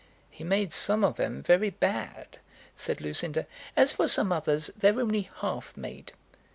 "He made some of 'em very bad," said Lucinda. "As for some others, they're only half made.